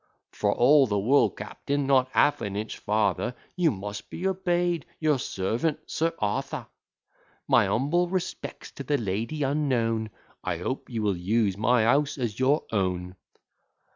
'For all the world, captain, not half an inch farther' 'You must be obey'd Your servant, Sir Arthur! My humble respects to my lady unknown.' 'I hope you will use my house as your own.'"